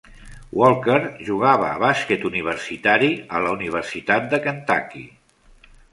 Walker jugava a bàsquet universitari a la Universitat de Kentucky.